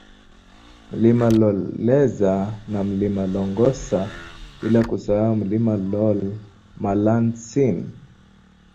Mlima Loleza na Mlima Longosa bila kusahau mlima Loolmalasin